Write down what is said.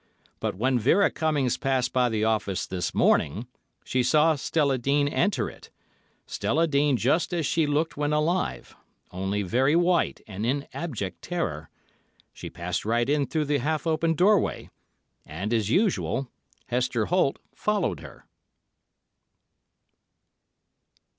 But when Vera Cummings passed by the office this morning, she saw Stella Dean enter it—Stella Dean just as she looked when alive, only very white and in abject terror. She passed right in through the half open doorway, and, as usual, Hester Holt followed her."